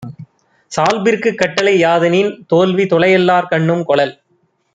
சால்பிற்குக் கட்டளை யாதெனின், தோல்வி துலையல்லார்கண்ணும் கொளல்.